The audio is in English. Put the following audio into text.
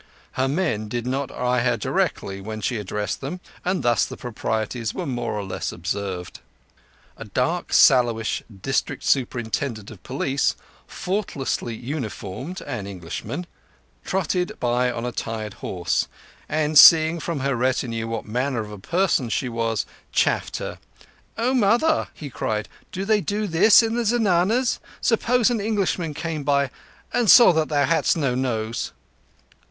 Her men did not eye her directly when she addressed them, and thus the proprieties were more or less observed. A dark, sallowish District Superintendent of Police, faultlessly uniformed, an Englishman, trotted by on a tired horse, and, seeing from her retinue what manner of person she was, chaffed her. "O mother," he cried, "do they do this in the zenanas? Suppose an Englishman came by and saw that thou hast no nose?"